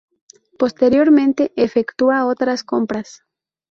Posteriormente efectúa otras compras.